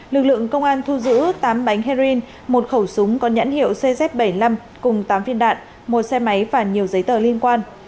lực lượng công an thu giữ tám bánh heroin một khẩu súng có nhãn hiệu cz bảy mươi năm cùng tám viên đạn một xe máy và nhiều giấy tờ liên quan